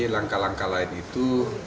langkah langkah lain itu